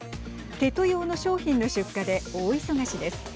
テト用の商品の出荷で大忙しです。